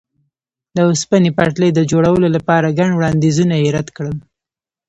د اوسپنې پټلۍ د جوړولو لپاره ګڼ وړاندیزونه یې رد کړل.